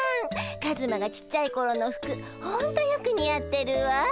カズマがちっちゃいころの服ほんとよく似合ってるわ。